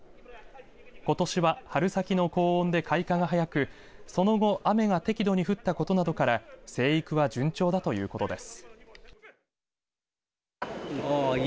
ことしは春先の高温で開花が早くその後雨が適度に降ったことなどから生育は順調だということです。